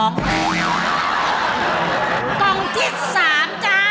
กล่องที่๓จ้า